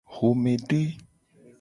Xomede.